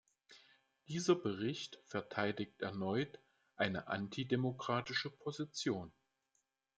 Dieser Bericht verteidigt erneut eine antidemokratische Position.